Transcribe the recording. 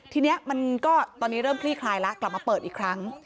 ทีนี้มันก็ตอนนี้เริ่มคลี่คลายแล้วกลับมาเปิดอีกครั้ง